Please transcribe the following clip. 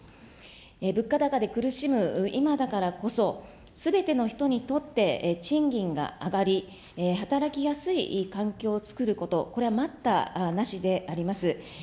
物価高で苦しむ今だからこそ、すべての人にとって賃金が上がり、働きやすい環境をつくること、これは待ったなしであります。